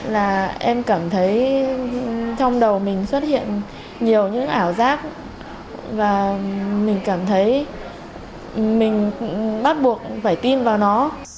là em cảm thấy trong đầu mình xuất hiện nhiều những ảo giác và mình cảm thấy mình bắt buộc phải tin vào nó